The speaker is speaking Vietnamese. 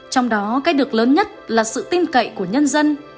trong đó cái được lớn nhất là sự tin cậy của nhân dân